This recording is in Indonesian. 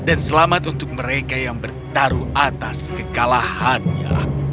dan selamat untuk mereka yang bertaruh atas kekalahannya